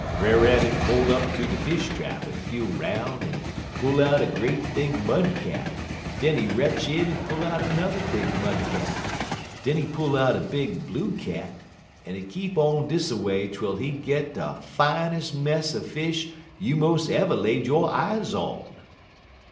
"Brer Rabbit pole up ter de fish trap, en feel 'roun' en pull out a great big mud cat; den he retch in en pull out 'n'er big mud cat; den he pull out a big blue cat, en it keep on dis a way twel he git de finest mess er fish you mos' ever laid yo' eyes on.